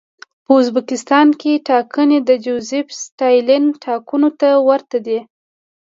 په ازبکستان کې ټاکنې د جوزېف ستالین ټاکنو ته ورته دي.